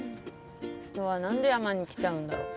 人は何で山に来ちゃうんだろう。